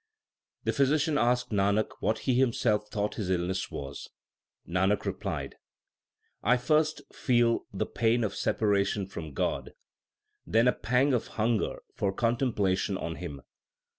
The physician asked Nanak what he himself thought his illness was. Nanak replied : I first feel the pain of separation from God, then a pang of hunger for contemplation on Him.